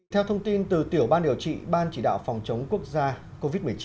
theo thông tin từ tiểu ban điều trị ban chỉ đạo phòng chống quốc gia covid một mươi chín